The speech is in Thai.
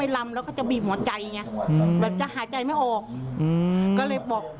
ไม่ลำแล้วก็จะบีบเหมือนใจเนี่ยครับแบบจะหายใจไม่ออก